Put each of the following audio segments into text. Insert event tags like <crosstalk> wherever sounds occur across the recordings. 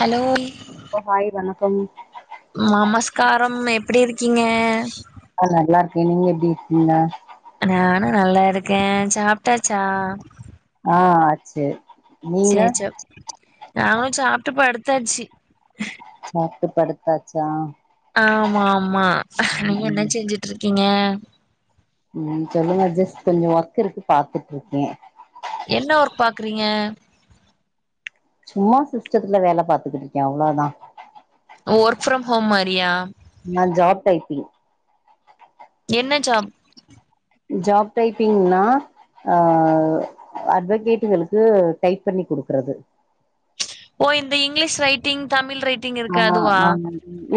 Hello hi வணக்கம் மமஸ்காரம் எப்டி இருக்கீங்க ஆ நல்லா இருக்கே நீங்க எப்டி இருக்கீங்க நானோ நல்லா இருக்கே சாப்டாச்சா ஆ செரி செர் சோர்வ் நாங்களு சாப்ட்டு படுத்தாச்சி சப்ட்டு படுத்தாச்சா ஆமா ஆமா நீங்க என்ன ம் செஞ்சிட்டு இருகீங்க ம் சொல்லுங்க ஜஸ்ட் கொஞ்சோ ஒர்க் இருக்கு பாத்துட்ருக்கே என்ன ஒர்க் பாக்றீங்க சும்மா சிஸ்டத்துல வேல பாத்துகிட்ருக்க அவ்ளோதா ஒர்க் ஃப்ரம் ஹோம் மாரியா நா ஜாப் டைபிங் என்ன ஜாப் ஜாப் டைப்பிங்னா ஆ அட்வகேட்டுகளுக்கு டைப் பண்ணி குடுக்றது ஓ இந்த இங்கிலிஷ் ரைட்டிங் தமிழ் ரைட் ஆ ஆ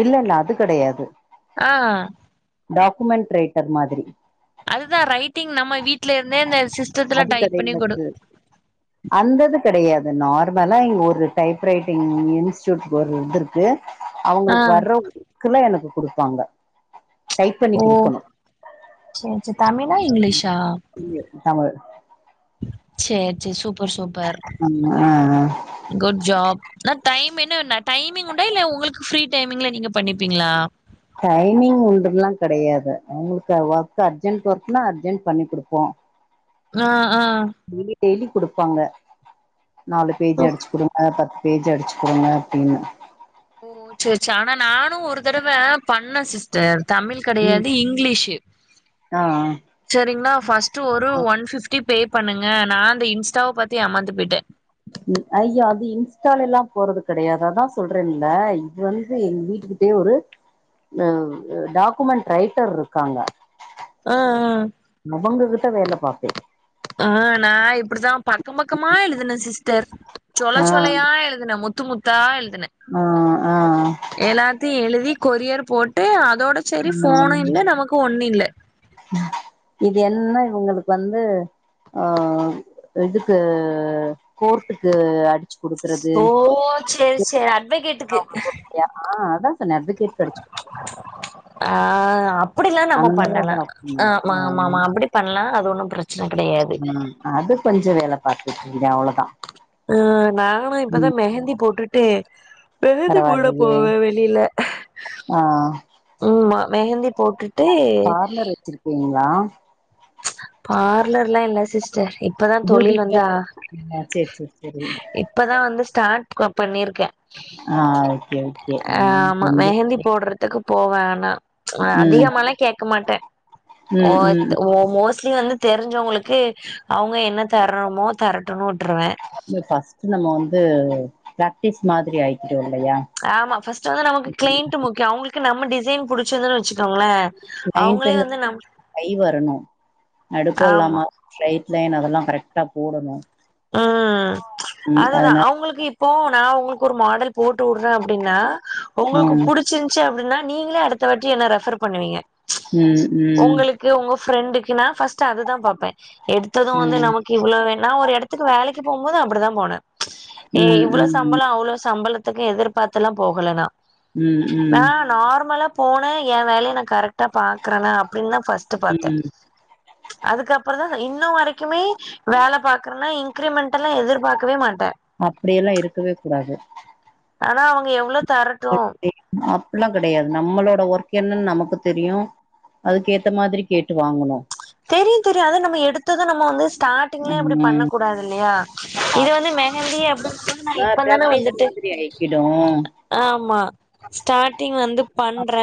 இல்ல இல்ல அது கெடையாது ஆ டாக்குமெண்ட் ரைட்டர் மாதிரி அதுதா ரைட்டிங் நம்ம வீட்ல இருந்தே இந்த சிஸ்டத்துல அது டைப் பண்ணி கொடு கெடையாது அந்தது கெடையாது நார்மலா இங்க ஒரு டைப் ரைட்டிங் இன்ஸ் டியூட் ஒரு இது இருக்கு ஆ அவங்களுக்கு வர்ற ஒர்க்குல எனக்கு குடுப்பாங்க டைப் பண்ணி ஓ குடுக்கணு சேரி சேரி தமிழா இங்கிலிஷா தமிழ் சேரி சேரி சூப்பர் சூப்பர் ஆம்மா ஆ ஆ குட் ஜாப் நா டைம் என்ன நா டைமிங் உண்டா இல்ல உங்களுக்கு ஃப்ரீ டைமிங்ல நீங்க பண்ணிப்பீங்ளா டைமிங் ஒண்டுல்லா கிடையாது அவங்களுக்கு ஒர்க் அர்ஜென்ட் ஒர்க்னா அர்ஜென்ட் பண்ணி குடுப்போ ஆ ஆ டெய்லி டெய்லி குடுப்பாங்க நாலு பேஜ் ஓ அடிச்சு கொடுங்க பத்து பேஜ் அடிச்சு குடுங்க அப்டினு ஓ சேரி சேரி ஆனா நானு ஒரு தடவ பண்ண சிஸ் சேரி தமிழ் ம் கெடையாது இங்லீஷு ஆ சரிங்ளா பஸ்ட் ட்டு ஒரு ஒன் பிப்டி பே பண்ணுங்க நா அந்த இன்ஸ்டாவ பாத்து ஏமாந்து போயிட்டே ஐயோ அது இன்ஸ்டால எல்லா போறது கெடையாது அதா சொல்றேன்ல இது வந்து எங் வீட்டுக்கு ஒரே ஒரு ஆ டாக்குமெண்ட் ரைட்டர் இருக்காங்க ஆ ஆ அவங்ககிட்ட வேல பாத்தே ஆ நா இப் அப்டிதா பக்கம் பக்கமா எழுதுன சிஸ்டர் ஆ சொலச்சொலயா எழுதுன முத்து முத்தா எழுதுன ஆ ஆ எல்லாத்தையு எழுதி கொரியர் போட்டு அதோட சரி ம் போனு இல்ல நமக்கு ஒண்ணு இல்ல இது என்ன இவங்களுக்கு வந்து ஆ இதுக்கு கோர்ட்டுக்கு அடி ஓ சேரி சேரி அட்வகேட் ஆ அதா சொன்ன அட்வகேட்க்கு அடிச்சு ஆ அப்டிலா நம்ப அந்த பண்ணலா டாக்குமெண்ட் ஆமா ஆமா ஆமா அப்டி பண்லா அது ஒன்னு பிரச்சன கெடையாது ஆ ம் அது கொஞ்சோ வேல பாத்துட்ருந்தே அவ்ளோதா ஆ நானு இப்பதா மெஹந்தி போட்டுட்டு மெஹந்தி போட பரவாயில்லையே போவே ஆ உம்மா மெஹந்தி போட்டுட்டு வச்சிருக்கீங்ளா பார்லர்லா இல்ல சிஸ்டர் இப்பதா தொழில் வந்து பியூட்டிஷியன் ஆ சேரி சேரி சேரி இப்பதா வந்து ஸ்டார்ட் பண்ணியிருக்கே ஆ ஓகே ஓகே ஆ ஆமா மெஹந்தி போட்றதுக்கு போவ நானு ம் அதிகமாலா கேட்க மாட்டே ம் ம் ஒ மோஸ்ட்லி வந்து தெரிஞ்சவுங்களுக்கு அவுங்க என்ன தரணுமோ தரட்டுன் உட்டுருவே இ ஃபஸ்ட்டு நம்ம வந்து பிராக்டிஸ் மாதிரி ஆய்கிட்டோ இல்லையா ஆமா ஃபர்ஸ்ட்டு வந்து நமக்கு கிளையன்ட்டு முக்கியோ அவுங்களுக்கு நம்ம டிசைன் புடிச்சிருந்து வச்சு கிளையன்ட்டு கை வரணு நடுக்கோ ஆமா இல்லாம ஸ்ட்ரைட் லைன் அதெல்லா கரெக்டா போடணு ஆ ம் அதுதா அதனால அவுங்களுக் இப் இப்போ நா உங்களுக்கு ஒரு மாடல் போட்டு உட்ற அப்டின்னா உங்களுக்கு ம் புடி ச்சிருன்ச்சு அப்டின்னா நீங்களே அடுத்த வாட்டி என்ன ரெஃபர் பண்ணுவீங்க ம் ம் க்கு உங்க ஃப்ரெண்டுக்குனா ஃபஸ்ட்டு அதுதா பாப்பே எடுத்தது வந்து ம் நமக்கு இவ்ளோ வேன்னா ஒரு இடத் துக்கு வேலைக்கு போம்போது அப்டிதா போன ம் இவ்ளோ ம் சம்பளோ அவ்ளோ சம்பளத் துக்கு எதிர் பார்த்துலா போகலனா நா ம் ம் நார்மலா போன எ வேலைய நா கரெக்டா பாக்குறன அப்டின்னு தா ஃபர்ஸ்ட்டு பாத்த ம் அதுக்கப்புற தா இன்னு வரைக்குமே வேல பாக் றனா இன்கிரமென்ட் எல்லா எதிர்பாக்கவே மாட்ட அப்டியெல்லா இருக்கவே கூடாது ஆனா அவுங்க எவ்ளோ தரட்டு அப்பில்லா கெடையாது நம்மளோட ஒர்க் என்னன் நமக்கு தெரியு அதுக்கேத்த மாதிரி கேட்டு வாங்கனு தெரியு தெரியு அது நம்ம எடுத்தது நம்ம வந்து ஸ்டார்டிங்லயே அப்டி பண்ண ம் கூடாது இல்லையா இது வந்து மெகந்தி அப்டி சொன்ன ஆ இப்ப தானே பிராக்டிஸ் வந்துட்டு மாதிரி ஆயிக்கிடு ஆமா ஸ்டார்டிங் வந்து பண்ற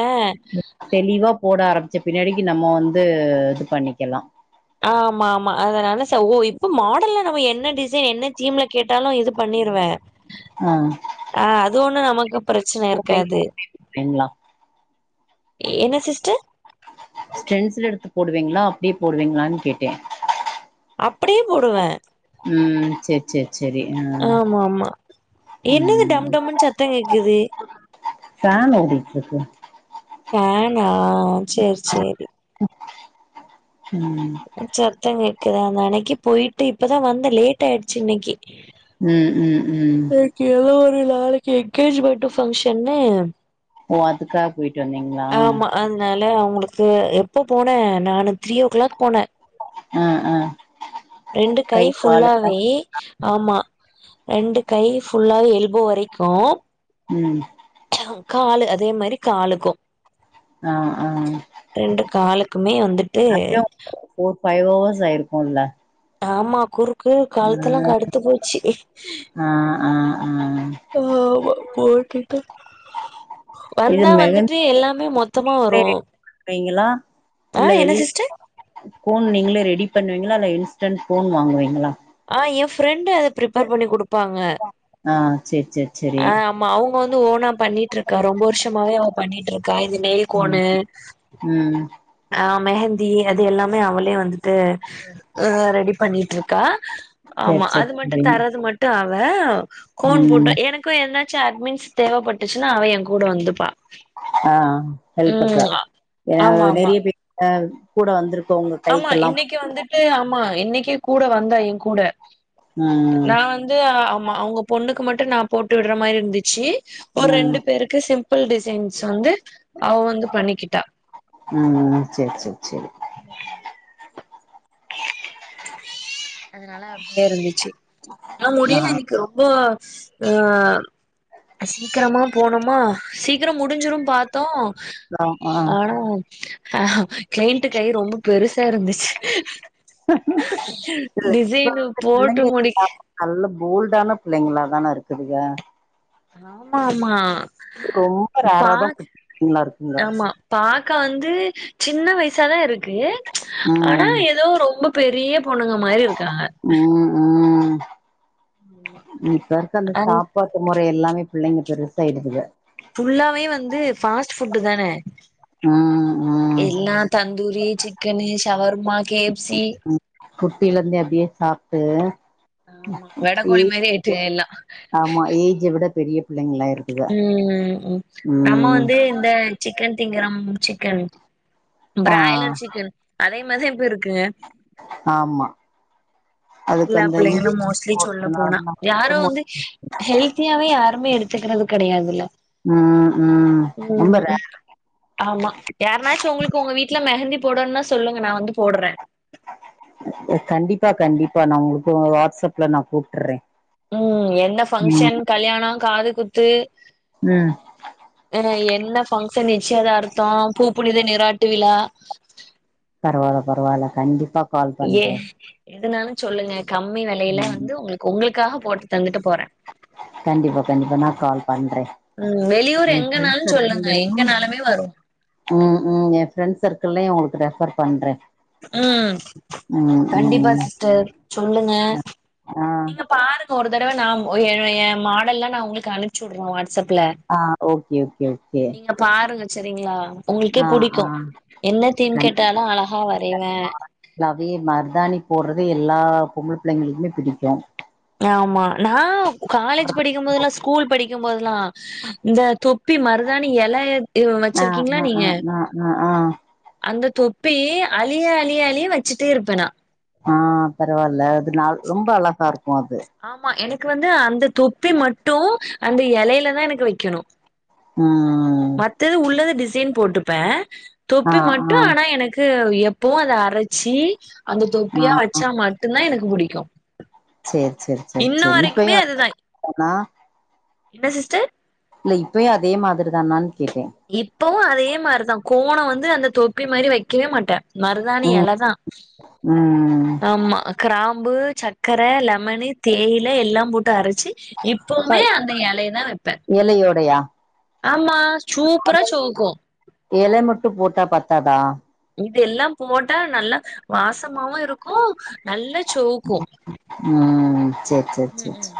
தெளிவா போட ஆரம்பிச்ச பின்னாடிக்கு நம்ம வந்து இது பண்ணிக்கலா ஆமா ஆமா அதனால ச ஓ இப்ப மாடல்ல நம்ம என்ன டிசைன் என்ன தீம்ல கேட்டாலு இது பண்ணிருவே ஆ அ அது ஒண்ணு நமக்கு பிரச்சன இருக்காது போடுவீங்களா என்ன சிஸ்டர் ஸ்டென்சில் எடுத்து போடுவீங்ளா அப்டியே போடுவீங்ளான் கேட்ட அப்டியே போடுவே ம் செர் செர் செரி நா ஆமாமா என்னங்க டம் டம்ன்னு சத்தம் கேக்குது ஃபேன் ஓடிட்டுறுக்கு ஃபேனா சேர் செரி ம் சத்த கேக்குதா தன்னைக்கி போயிட்டு இப்பதா வந்த லேட் ஆயிடுச்சு இன்னைக்கி ம் ம் ம் க்கு ஏதோ ஒரு நாளைக்கி எங்கேஜ்மெண்ட்டு பங்க்ஷன்னு ஓ அதுக்காக் போயிட்டு வந்தீங் ஆமா அத்னால அவ்ங்களுக்கு எப்போ போனே நானு த்ரீ ஓ க்ளாக் போன அ அ ரெண்டு கை ஃபுல்லா வே ஆமா ரெண்டு கை ஃபுல்லாவே எல்போ வரைக்கு ம் காலு அதே மாரி காலுக்கு ஆ ஆ ரெண்டு காலுக்குமே வந்துட்டு ஃபோர் ஃபைவ் அவர்ஸ் ஆயிருக்குல்ல ஆமா குறுக்கு கழுத்தெல்லா கடுத்து போச்சி ஆ ஆ ஆ ஆமா போட்டுட்ட இது வந்தா வந்துட்டு மெஹந்திக்கே எல்லாமே மொத்தமா வரு பண்ணுவீங்களா ஆ இல்ல என்ன வெளில சிஸ்டர் கோன் நீங்களே ரெடி பண்ணுவீங்ளா இல்ல இன்ஸ்டன்ட் கோன் வாங்குவீங்களா ஆ ஏ ஃப்ரெண்டு ப்ரிப்பர் பண்ணி குடுப்பாங்க ஆ சேரி சேரி சேரி ஆ மா அவ்ங்க வந்து ஓனா பண்ணிட்ருக்கா ரொம்ப வர்ஷமாவே அவ பண்ணிட்ருக் கா இந்த நெயில் ம் கோனு ம் ஆ மெஹந்தி அது எல்லாமே அவளே வந்துட்டு அ ரெடி பண்ணிட்ருக்கா சேர் ஆமா சேர் அது மட்டு சரி தர்றது மட்டு அவ கோன் ம் போட்ட எனக்கு ஏத்னாச்சு அட்மின்ஸ் தேவப்பட்டுச்சுன்னா அவ ஏங் கூட வந்துப்பா ஆ ஹெல்ப்ப்புக்கு ம் ஆ ஆமா ஆமா நறைய பே ஆ கூட வந்துருக்கவ்ங்களு ஆமா இன்னைக்கு வந்துட்டு ஆமா இன்னைக்கே கூட வந்தா ஏங்கூட ம் நா வந்து ஆமா அவ்ங்க பொண்ணுக்கு மட்டு நா போட்டு விட்ற மாரி இருந்துச்சு ஒரு ரெண்டு பேருக்கு சிம்ப்புள் டிசைன்ஸ் வந்து அவ வந்து பண்ணிக்கிட்டா ஆ சேர் சேர் சேரி ம் அதனால அப்டியே இருந்துச்சி ஆனா ஆ முடியில இன்னைக்கு ரொம்ப ஆ சீக்கெரமா போனோமா சீக்கிரம் முடிஞ்சிரும் பாத் தோ ஆ ஆ ஆனா க்ளைண்ட்டு கை ரொம்ப பெருசா இருந்துச்சு இல்ல இப்ப டிசைனு இருக்க போட்டு பிள்ளைங்க முடிக் நல்ல போல்டான ப்ள்ளைங்களா தான இருக்குதுங்க ஆமா ஆமா ரொம்ப பா ரேராதா குட்டி பிள்ளைங்களா இருக்குங்க ஆமா பாக்க வந்து சின்ன வயசாதா இருக்கு ஆனா ம் ஏதோ ரொம்ப பெரிய பொண்ணுங்க மாரி இருக்காங்க ம் ம் ஆமா. இப்ப இருக்க அந்த அங் சாப்பாட்டு முறை எல்லாமே பிள்ளைங்க பெருசாய்டுதுக ஃபுல்லாவே வந்து ஃபாஸ்ட் ஃபுட்டு தான ம் ம் எல்லா tandoori chicken shawarma K F C குட்டிலர்ந்தே அப்டியே சாப்ட்டு ஆமா ஏ வெடக்கோழி மாரி ஆயிட்டு எல்லா ஆமா ஏஜ விட பெரிய பிள்ளைங்களா இருக்குக ம் நம்ம ம் வந்து இந்த சிக்கன் திங்கரம் சிக்கன் ஆ ப்ராயிலர் சிக்கன் அதே மாரி இப்ப இருக்கு ஆமா அதுக்கு எல்லா அந்த பிள்ளைங்களு இன்ஜெக்ஷன் மோஸ்ட்லி சொல்ல போடுறதுனால போனா நமக்கு யாரு வருமோ வந்து ஹெல்த்தியாவே யாருமே எடுத்துக்கிறது கெடையாதுல்ல ம் ம் ரொம்ப ம் ரேர் ஆமா யார்னாச்சு உங்களுக் கு உங்க வீட்ல மெஹந்தி போடணுனா சொல்லுங்க நா வந்து போட்றே எ கண்டிப்பா கண்டிப்பா நா உங்களுக்கு வாட்ஸ்அப்ல நா கூப்ட்டுறே ம் என்ன ஃபங்க்ஷன் ம் கல்யாண காது குத்து ம் அ ஹ என்ன ஃபங்க்ஷன் நிச்சயதார்த்த பூப்புனித நிராட்டு விழா பரவால்ல பரவால்ல கண்டிப்பா கால் ஏ பண்றே எதுனாலு சொல்லுங்க கம்மி வெலையில ம் வந்து உங்களுக்கு உங்களுக்காக போட்டு தந்துட்டு போறே கண்டிப்பா கண்டிப்பா நா கால் பண்றே ம் வெளியூர் எ ஃப்ரெண்ட் எங்கனாலு சொல்லுங்க சர்க்கிள்லயு எங்க நாலுமே வருவோ ம் ம் எ ஃப்ரெண்ட்ஸ் சர்க்கிள்லயு உங்களுக்கு ரெஃபர் பண்றே ம் ம் கண்டிப்பா ம் சிஸ்டர் சொல்லுங்க ஆ நீங்க பாருங்க ஒரு தடவ நா உங் ஏனா எ மாடல்லா நா உங்களுக்கு அனுப்ச்சு வுட்றே வாட்ஸ்அப்ல ஆ ஓகே ஓகே ஓகே நீங்க பாருங்க செரிங்களா உங்களுக்கே ஆ புடிக்கு ஆ என்ன தீம் கேட்டாலு அழகா வரைவே லாவே மர்தாணி போட்றது எல்லா பொம்பள பிள்ளைங்களுக்குமே பிடிக்கு ஆமா நா காலேஜ் படிக்கும்போதுலா ஸ்கூல் படிக் கும்போதெல்லா இந்த தொப்பி மருதாணி எலய இவ் ஆ வச்சிருக்கீங்ளா ஆ ஆ நீங்க ஆ ஆ ஆ அந்த தொப்பி அழிய அழிய அழிய வச்சுட்டே இருப்பே நா ஆ பரவால்ல அது நா ரொம்ப அழகா இருக்கு அது ஆமா எனக்கு வந்து அந்த தொப்பி மட்டு அந்த எலைல தா எனக்கு வெக்கணு ம் மத்தது உள்ளத டிசைன் போட்டுப்பே ஆ தொப்பி மட்டு ஆ ஆனா எனக் க்கு எப்பவு அத அரைச்சி அந்த ஆ தொப்பியா வச்சா மட்டு்ந்தா எனக்கு பிடிக்கு சேர் சேரி சேரி சேரி இப்பயு வரைக்குமே அதே அதுதா <inaudible> தானா என்ன சிஸ்டர் இல்ல இப்பயு அதே மாதிரிதானான் கேட்டே இப்பவு அதே மாரிதா கோண வந்து அந்த தொப்பி மாரி வெக்கவே மாட்டே மறுதாணி ம் எலதா ம் ஆமா கிராம்பு சக்கர லெமனு தேயில எல்லாம் போட்டு அரச்சு இப்பவுமே அந்த எலைய தா வெப்பே எலையோடையா ஆமா சூப்பரா செவக்கு எல மட்டு போட்டா பத்தாதா இதெல்லா போட்டா நல்லா வாசமாவு இருக்கு நல்லா செவக்கு ம் சேரி சேரி ம் சேரி ம் சேரி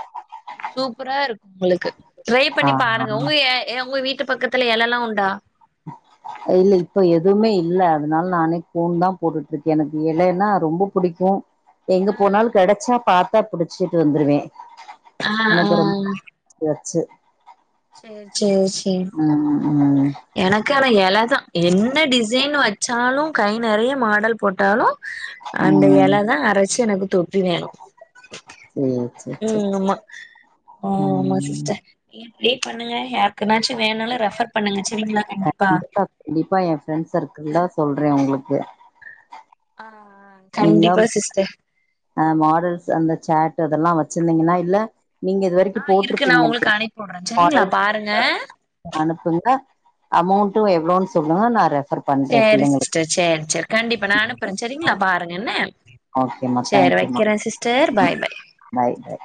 சூப்பரா இருக்கு உங்களுக்கு ட்ரை ஆ பண்ணி பாருங்க ஆ உங்க எ ஏ உங்க வீட்டு பக்கத்துல எலலா உண்டா அ இல்ல இப்ப எதுமே இல்ல அதுனால நானே கோண் தா போட்டுட்ருக்கே எனக்கு எலைனா ரொம்ப புடிக்கு எங்க ஆ போனாலு கெடைச்சா பாத்தா புடிச்சுட்டு வந்துருவே ஆ ஆனா ஆ ஆ இப்ப ரொம் சரியாச்சு சேரி சேரி சேரி ம் ம் எனக்கு ஆனா எல தா என்ன டிசைன் வச்சாலு கை நெறைய மாடல் போட்டாலு அந்த ம் எல தா அரச்சு எனக்கு தொப்பி வேணு சேரி சேரி சேரி ம் சேரி ஆமா ம் ஆமா சிஸ்டர் வெயிட் பண்ணுங்க யார்க்குனாச்சு வேண்னாலு ரெஃபர் பண்ணுங்க செரிங்ளா கண்டிப்பா கண்டிப்பா எ ஃப்ரெண்ட் சர்க்கிள்ள சொல்றே உங்ளுக்கு ஆ நீங்க கண்டிப்பா சிஸ்டர் அ மாடல்ஸ் அந்த சேட் அதெல்லா வச்சிருந்தீங்ன்னா இல்ல நீங்க இது வரைக்கு ஆ இருக்கு நா உங்களுக்கு போட்டிருப்பீங்கள்யா அனுப்பி உட்றே சரிங்களா மாடல்ஸ் பாருங்க <inaudible> அனுப்புங்க அமௌண்டு எவ்ளோன் சொல்லுங்க நா ரெஃபர் பண்றே செரி பிள்ளைங்களுக்கு சிஸ்டர் செரி செரி கண்டிப்பா நா அனுப் ப்றே சரிங்களா பாருங்க என்ன ஓகேம்மா செரி தேங்க்யூம்மா வைக்கிறே சிஸ்டர் பாய் பாய் பாய் பாய்